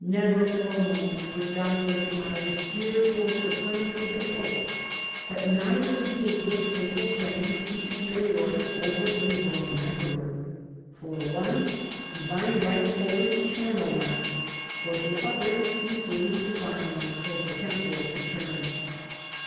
Never for a moment would Dante deny the spiritual supremacy of the Pope ; but neither would he admit Papal claims to superiority over a Eoman Emperor. For one divine right over eternal life, for the other equally divine right over temporal concerns.